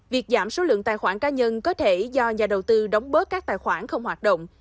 việc giảm số lượng tài khoản cá nhân có thể do nhà đầu tư đóng bớt các tài khoản không hoạt động